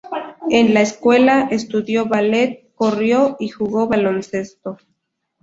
En la escuela, estudió ballet, corrió, y jugó baloncesto.